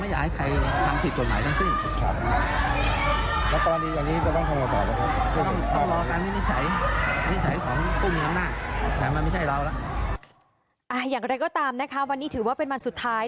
อย่างไรก็ตามนะคะวันนี้ถือว่าเป็นวันสุดท้าย